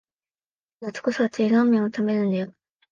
夏こそ熱いラーメンを食べるんだよ